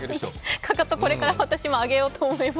かかと、これから私も上げていこうと思います。